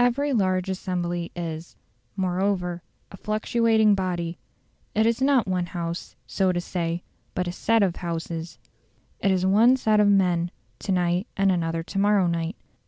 Every large assembly is, moreover, a fluctuating body; it is not one house, so to say, but a set of houses; it is one set of men to night and another to morrow night.